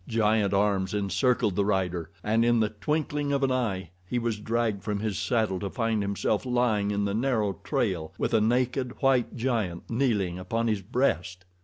Giant arms encircled the rider, and in the twinkling of an eye he was dragged from his saddle to find himself lying in the narrow trail with a naked, white giant kneeling upon his breast.